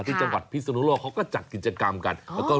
ปีพิศนุโลกเขาก็จัดกินจังกรรมกัน